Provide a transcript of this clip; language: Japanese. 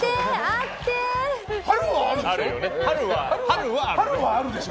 春はあるでしょ！